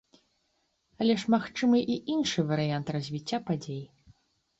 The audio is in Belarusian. Але ж магчымы і іншы варыянт развіцця падзей.